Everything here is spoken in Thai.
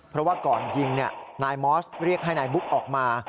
เพราะว่าก่อนยิงนายมอสเรียกให้นายบุ๊กออกมา